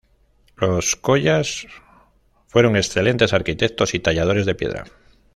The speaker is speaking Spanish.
Los collas fueron excelentes arquitectos y talladores de piedra.